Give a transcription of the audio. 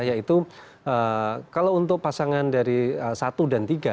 yaitu kalau untuk pasangan dari satu dan tiga